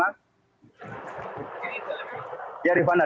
dari pantai kementerian agama